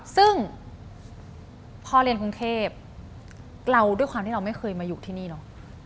ซึ่งพอเรียนกรุงเทพเราด้วยความที่เราไม่เคยมาอยู่ที่นี่เนอะ